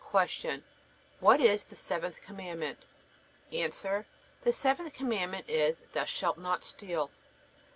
Q. What is the seventh Commandment? A. The seventh Commandment is: Thou shalt not steal.